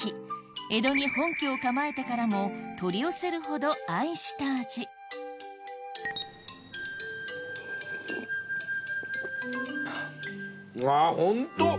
江戸に本拠を構えてからも取り寄せるほど愛した味あぁホント！